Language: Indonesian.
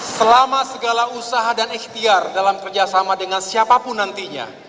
selama segala usaha dan ikhtiar dalam kerjasama dengan siapapun nantinya